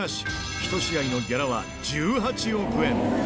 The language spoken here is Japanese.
１試合のギャラは１８億円。